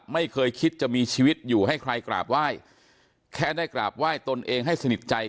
ไม่เคยคิดจะมีชีวิตอยู่ให้ใครกราบไหว้แค่ได้กราบไหว้ตนเองให้สนิทใจ